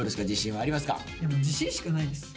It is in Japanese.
自信しかないです。